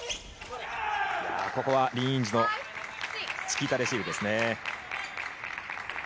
ここはリン・インジュのチキータレシーブですね。